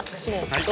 はい。